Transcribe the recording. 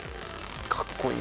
かっこいいな。